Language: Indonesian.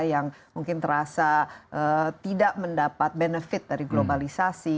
yang mungkin terasa tidak mendapat benefit dari globalisasi